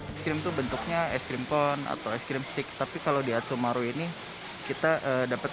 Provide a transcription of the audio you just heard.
es krim itu bentuknya es krim pon atau es krim stick tapi kalau di atso maru ini kita dapat